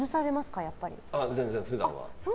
全然、普段は。